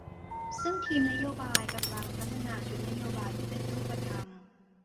ซึ่งทีมนโยบายกำลังพัฒนาชุดนโยบายที่เป็นรูปธรรม